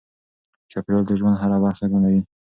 چاپیریال د ژوند هره برخه اغېزمنوي.